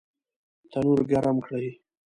تنور ګرم کړئ